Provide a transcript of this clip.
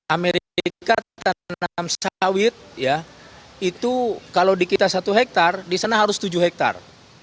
amerika tanam sawit ya itu kalau di kita satu hektare di sana harus tujuh hektare